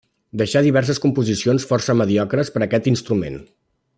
Deixà diverses composicions força mediocres per aquest instrument.